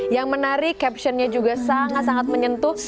yang menarik captionnya juga sangat sangat menyentuh